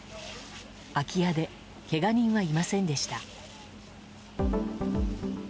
空き家でけが人はいませんでした。